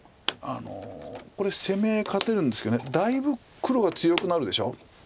これ攻め合い勝てるんですけどだいぶ黒が強くなるでしょ。